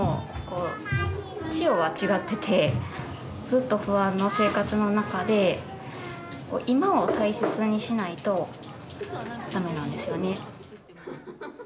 ずっと不安の生活の中で今を大切にしないと駄目なんですよね。